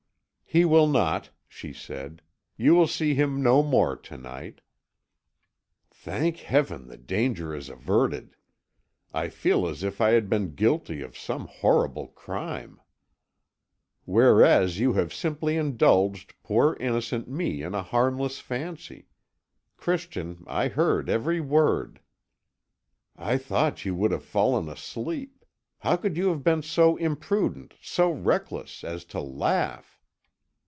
"He will not," she said. "You will see him no more to night." "Thank Heaven the danger is averted! I feel as if I had been guilty of some horrible crime." "Whereas you have simply indulged poor innocent me in a harmless fancy. Christian, I heard every word." "I thought you would have fallen asleep. How could you have been so imprudent, so reckless, as to laugh?"